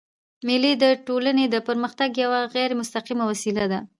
مېلې د ټولني د پرمختګ یوه غیري مستقیمه وسیله ده.